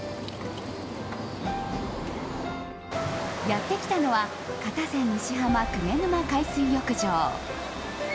やってきたのは片瀬西浜・鵜沼海水浴場。